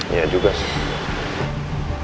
iya juga sih